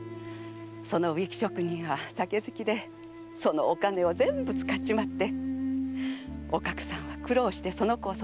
その植木職人は酒好きでそのお金を全部使っちまっておかくさんは苦労してその子を育てたんですよ。